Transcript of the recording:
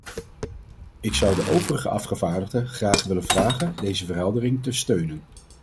Ik zou de overige afgevaardigden graag willen vragen deze verheldering te steunen.